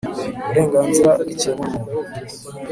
uburenganzira bw'ikiremwamuntu